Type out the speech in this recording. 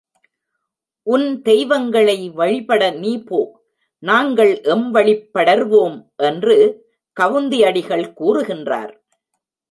உன் தெய்வங்களை வழிபட நீ போ நாங்கள் எம் வழிப் படர்வோம் என்று கவுந்தி அடிகள் கூறுகின்றார்.